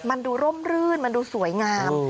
มันดูร่มรื่นมันดูสวยงาม